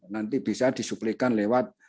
nanti bisa disuplai lewat